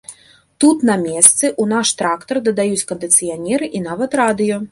Тут на месцы ў наш трактар дадаюць кандыцыянеры і нават радыё.